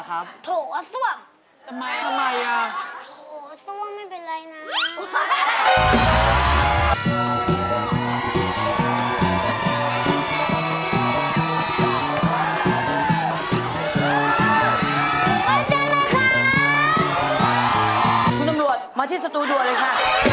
คุณตำรวจมาที่สตูด่วนเลยค่ะ